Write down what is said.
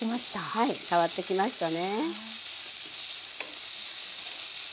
はい変わってきましたね。